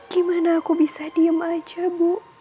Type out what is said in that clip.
gimana aku bisa diam saja bu